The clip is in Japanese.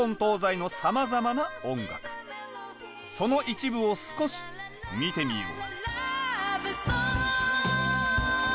その一部を少し見てみよう。